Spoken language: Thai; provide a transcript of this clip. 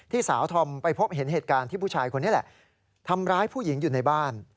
สาวธอมไปพบเห็นเหตุการณ์ที่ผู้ชายคนนี้แหละทำร้ายผู้หญิงอยู่ในบ้าน